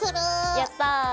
やった。